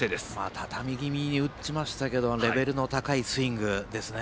たたみ気味に打ちましたけどレベルの高いスイングですね。